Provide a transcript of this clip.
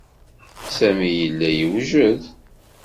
Sami yella yewjed.